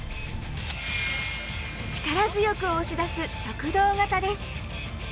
力強く押し出す直動型です。